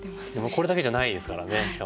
これだけじゃないですからね。